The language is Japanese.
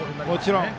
もちろん。